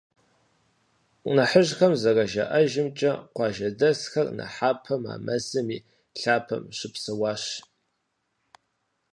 Нэхъыжьхэм зэрыжаӏэжымкӏэ, къуажэдэсхэр нэхъапэм а мэзым и лъапэм щыпсэуащ.